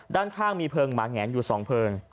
ด้านข้างมีเพลิงหมาแงนอยู่๒เพลิง